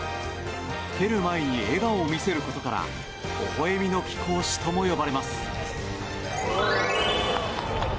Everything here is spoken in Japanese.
蹴る前に笑顔を見せることからほほ笑みの貴公子とも呼ばれます。